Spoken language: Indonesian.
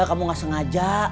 kamu gak sengaja